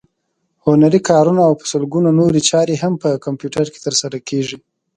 هنري کارونه او په سلګونو نورې چارې هم په کمپیوټر کې ترسره کېږي.